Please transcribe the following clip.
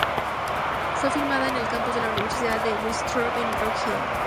Fue filmada en el campus de la universidad de Winthrop en Rock Hill.